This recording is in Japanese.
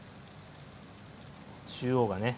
中央がね